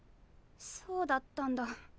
そうだったんだ。